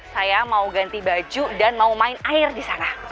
saya mau ganti baju dan mau main air di sana